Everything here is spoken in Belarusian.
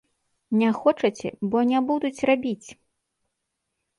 Не хочаце, бо не будуць рабіць.